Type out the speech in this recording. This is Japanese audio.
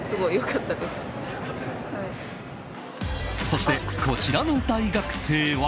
そして、こちらの大学生は。